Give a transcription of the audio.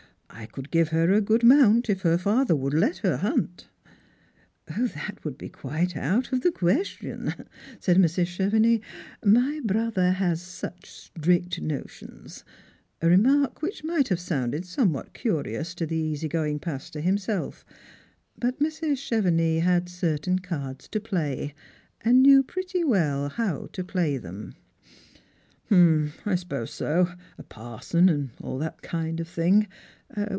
I could give ter a good mount, if her father would let her hunt." " That would be qiiite out of the question," said Mrs. Cheve^ nix; " ray brother has such strict notions ;" a remark which might have sounded somewhat curious to the easy going pastor himself; but ]\Irs. Chevenix had certain cards to play, and knew pretty well how to play them. " Hump, I suppose so ; a parson and all that kind of thing.